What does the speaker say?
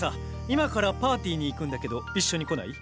今からパーティーに行くんだけど一緒に来ない？